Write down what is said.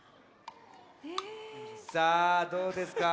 さあどうですか？